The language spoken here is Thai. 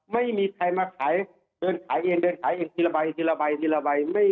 ไม่มีใครมาขายเดินขายเองเดินขายเองทีละใบทีละใบทีละใบ